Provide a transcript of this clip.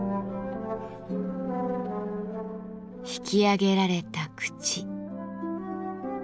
ひき上げられた口。